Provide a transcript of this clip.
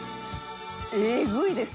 えぐいです。